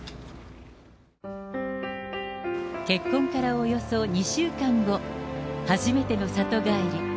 結婚からおよそ２週間後、初めての里帰り。